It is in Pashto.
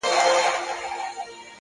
چي لاد هغې بيوفا پر كلي شپـه تېــروم”